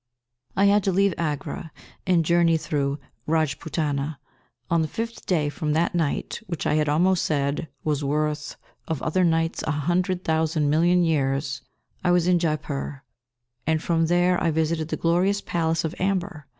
I had to leave Agra and journey through Rajputana. On the fifth day from that night, which I had almost said "was worth, of other nights, a hundred thousand million years," I was in Jaipur, and from there I visited the glorious Palace of Amber.